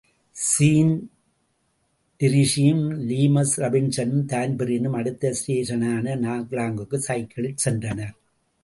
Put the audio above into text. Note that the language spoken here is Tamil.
ஸீன்டிரீஸியும், ஸிமஸ் ராபின்ஸனும், தான்பிரீனும், அடுத்த ஸ்டேஷனுன நாக்லாங்குக்கு சைக்கிள்களிற் சென்றனர்.